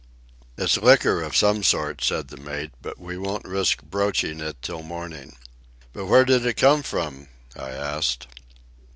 "It's liquor of some sort," said the mate, "but we won't risk broaching it till morning." "But where did it come from?" I asked.